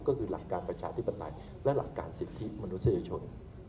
ก็คือหลักการประชาธิปไตยและหลักการสิทธิมนุษยชน